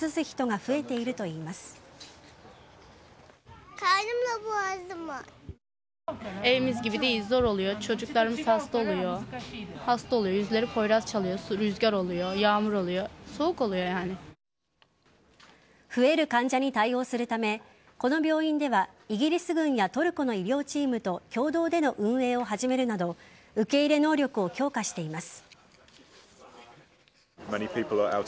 増える患者に対応するためこの病院ではイギリス軍やトルコの医療チームと共同での運営を始めるなど受け入れ能力を強化しています。